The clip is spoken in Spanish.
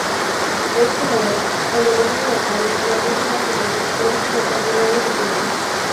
De este modo, el gobierno local la puso bajo protección del Patrimonio Cultural.